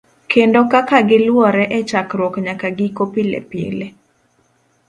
kendo kaka giluwore e chakruok nyaka giko pilepile.